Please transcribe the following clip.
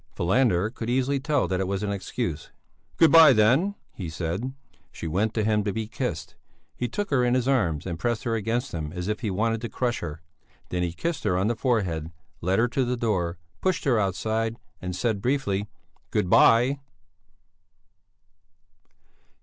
Falander could easily tell that it was an excuse. "Good bye, then," he said. She went to him to be kissed. He took her in his arms and pressed her against him as if he wanted to crush her; then he kissed her on the forehead, led her to the door, pushed her outside, and said briefly: "Good bye!"